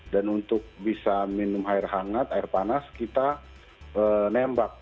dan untuk bisa minum air hangat air panas kita nembak